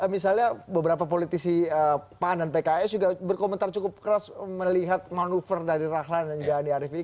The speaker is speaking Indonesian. misalnya beberapa politisi pan dan pks juga berkomentar cukup keras melihat manuver dari rahlan dan juga andi arief ini